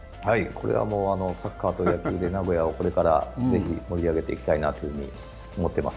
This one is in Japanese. サッカーと野球で名古屋をこれから盛り上げていきたいなと思ってます。